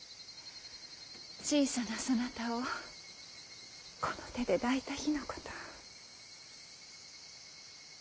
小さなそなたをこの手で抱いた日のこと。